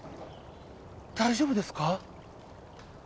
大丈夫ですか？